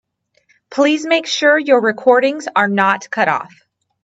Please make sure your recordings are not cut off.